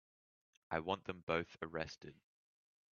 I want them both arrested.